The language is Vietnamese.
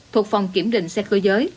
thuộc phòng kiểm định xe cơ giới